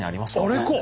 あれか！